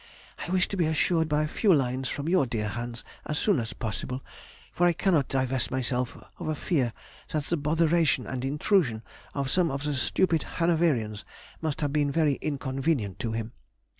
I wish to be assured by a few lines from your dear hands as soon as possible, for I cannot divest myself of a fear that the botheration and intrusion of some of the stupid Hanoverians must have been very inconvenient to him.